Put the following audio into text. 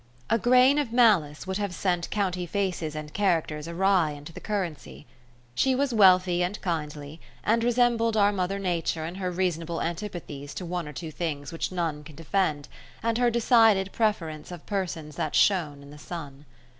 A grain of malice would have sent county faces and characters awry into the currency. She was wealthy and kindly, and resembled our mother Nature in her reasonable antipathies to one or two things which none can defend, and her decided preference of persons that shone in the sun.